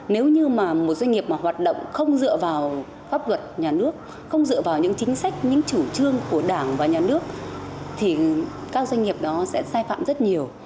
nếu như mà một doanh nghiệp mà hoạt động không dựa vào pháp luật nhà nước không dựa vào những chính sách những chủ trương của đảng và nhà nước thì các doanh nghiệp đó sẽ sai phạm rất nhiều